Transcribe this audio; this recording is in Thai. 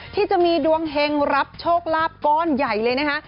ที่จะมีดวงเฮงรับโชคลาภก้อนใหญ่เลยนะคะ